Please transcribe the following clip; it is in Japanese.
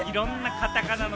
カタカナだ！